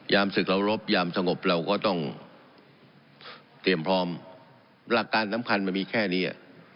ศึกเรารบยามสงบเราก็ต้องเตรียมพร้อมหลักการสำคัญมันมีแค่นี้